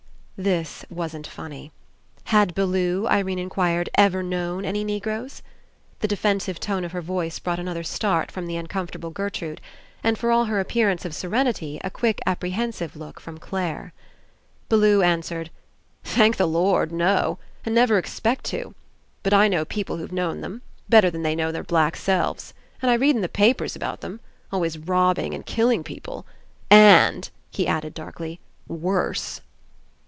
'' This wasn't funny. Had Bellew, Irene inquired, ever known any Negroes? The defen sive tone of her voice brought another start from the uncomfortable Gertrude, and, for all her appearance of serenity, a quick apprehen sive look from Clare. Bellew answered: "Thank the Lord, no! And never expect to! But I know people who've known them, better than they know their black selves. And I read in the papers about them. Always robbing and killing people. And," he added darkly, "worse."